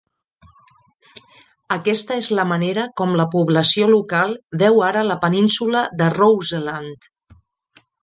Aquesta és la manera com la població local veu ara la península de Roseland.